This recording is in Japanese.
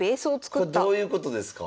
これどういうことですか？